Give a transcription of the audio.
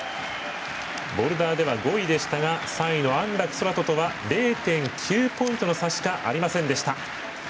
ボルダーでは５位でしたが３位の安楽宙斗とは０．９ポイントの差しかありませんでした。